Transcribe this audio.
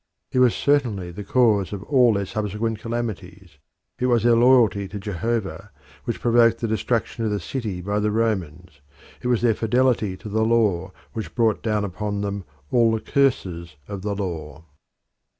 It was certainly the cause of all their subsequent calamities: it was their loyalty to Jehovah which provoked the destruction of the city by the Romans: it was their fidelity to the law which brought down upon them all the curses of the law.